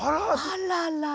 あららら。